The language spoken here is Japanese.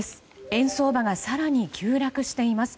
円相場が更に急落しています。